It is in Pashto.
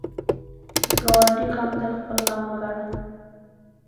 د ګاونډي غم ته خپل غم وګڼه